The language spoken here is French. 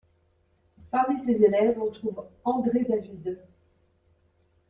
Parmi ses élèves, on trouve André David.